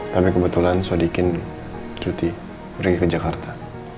tapi kebetulan sodikin juti pergi ke jakarta